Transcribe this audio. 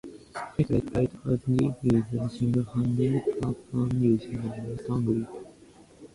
He played right-handed with a single-handed backhand using a western grip.